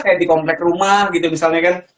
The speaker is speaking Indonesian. kayak di komplek rumah gitu misalnya kan